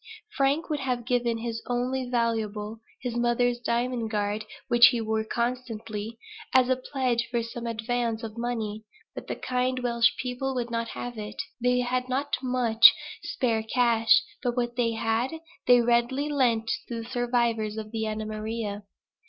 Frank would have given his only valuable, (his mother's diamond guard, which he wore constantly,) as a pledge for some advance of money; but the kind Welsh people would not have it. They had not much spare cash, but what they had they readily lent to the survivors of the Anna Maria.